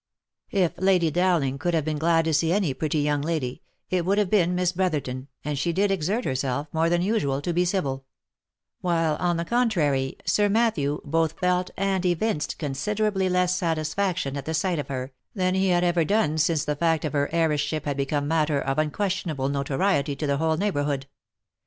If Lady Dowling could have been glad to see any pretty young lady, it would have been Miss Brotherton, and she did exert herself, more than usual, to be civil ; while, on the contrary, Sir Matthew both felt and evinced considerably less satisfaction at the sight of her, than he had ever done since the fact of her heiress ship had become matter 170 THE LIFE AND ADVENTURES of unquestionable notoriety to the whole neighbourhood.